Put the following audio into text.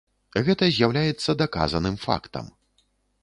Гэта з'яўляецца даказаным фактам.